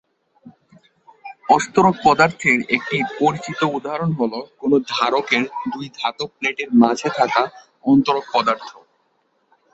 অস্তরক পদার্থের একটি পরিচিত উদাহরণ হলো, কোন ধারকের দুই ধাতব প্লেটের মাঝে থাকা অন্তরক পদার্থ।